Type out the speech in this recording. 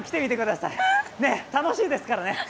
楽しいですからね。